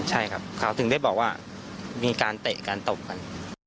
ใช่ครับเขาถึงได้บอกว่ามีการเตะการตบกัน